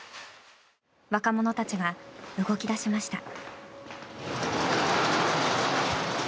若者たちが動き出しました。